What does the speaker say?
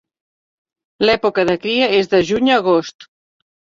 L'època de cria és de juny a agost.